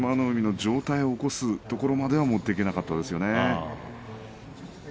海の上体を起こすところまでは持っていけなかったですよね。